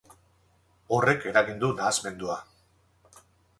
Horrek eragin du nahasmendua.